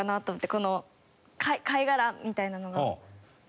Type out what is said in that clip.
この貝殻みたいなのが。